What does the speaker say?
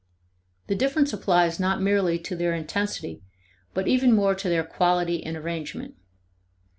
The difference applies not merely to their intensity, but even more to their quality and arrangement.